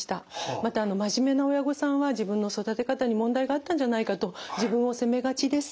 また真面目な親御さんは自分の育て方に問題があったんじゃないかと自分を責めがちです。